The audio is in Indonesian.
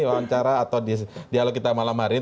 wawancara atau dialog kita malam hari ini